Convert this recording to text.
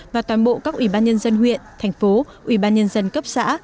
và toàn bộ các ủy ban nhân dân huyện thành phố ủy ban nhân dân cấp xã